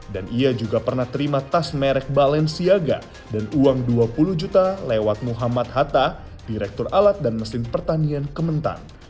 dan ia juga pernah terima tas merek balenciaga dan uang dua puluh juta lewat muhammad hatta direktur alat dan mesin pertanian kementan